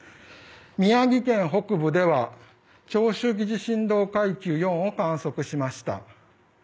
宮城県北部では長周期地震動の観測しました。